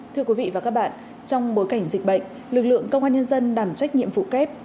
thưa quý vị và các bạn trong bối cảnh dịch bệnh lực lượng công an nhân dân đảm trách nhiệm vụ kép